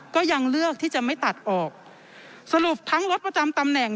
ก็ยังเลือกที่จะไม่ตัดออกสรุปทั้งรถประจำตำแหน่ง